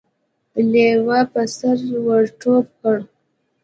لېوه په سړي ور ټوپ کړ.